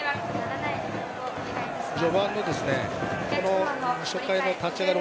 序盤の初回の立ち上がり